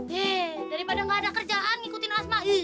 he daripada gak ada kerjaan ngikutin asma